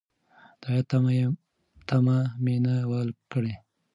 د عاید تمه مې نه وه کړې.